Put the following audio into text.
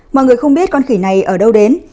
mọi người không biết con khỉ này ở đâu đến